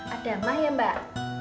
ada mah ya mbak